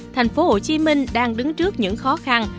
thành phố hồ chí minh đang đứng trước những khó khăn